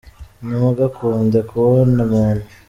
Ntimugakunde kubona muntu